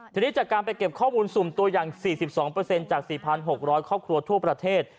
ทีนี้จากการไปเก็บข้อมูลสุ่มตัวอย่าง๔๒จาก๔๖๐๐ครอบครัวทั่วประเทศ